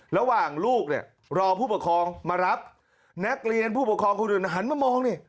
ระหว่างลูกรอผู้ปกครองมารับนักเรียนผู้ปกครองเขาหันมามอง